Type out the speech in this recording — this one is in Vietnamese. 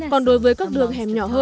còn đối với các đường hẻm